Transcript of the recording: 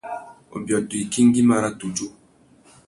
Ubiôtô ikú ngüimá râ tudju.